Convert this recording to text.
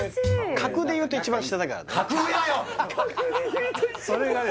格で言うと一番下それがね